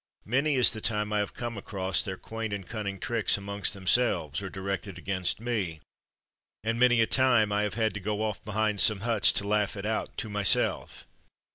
Many is the time I have come across their quaint and cunning tricks amongst them selves, or directed against me; and many a time I have had to go off behind some huts to laugh it out to myself.